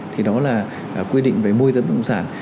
thì đó là quy định về môi giới bất động sản